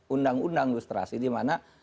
undang undang ilustrasi di mana